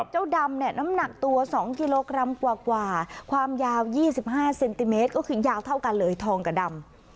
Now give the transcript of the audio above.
เจ้าดำเนี่ยน้ำหนักตัว๒กิโลกรัมกว่าความยาว๒๕เซนติเมตรก็คือยาวเท่ากันเลยทองกับดำ